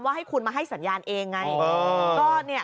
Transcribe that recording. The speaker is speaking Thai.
ใช่ใช่